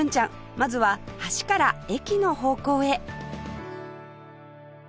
まずは橋から駅の方向へ